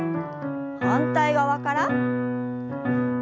反対側から。